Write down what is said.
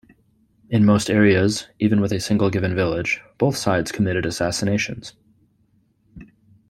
In most areas, even within a single given village, both sides committed assassinations.